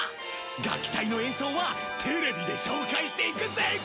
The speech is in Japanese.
楽器隊の演奏はテレビで紹介していくぜ！